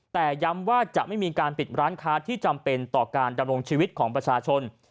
แต่ย้ำว่าจะไม่มีการปิดร้านค้าที่จำเป็นต่อการดำรงชีวิตของประชาชน